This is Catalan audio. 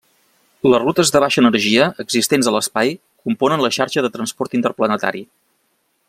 Les rutes de baixa energia existents a l'espai componen la Xarxa de Transport Interplanetari.